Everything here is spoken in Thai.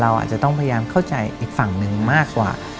อาจจะต้องพยายามเข้าใจอีกฝั่งหนึ่งมากกว่า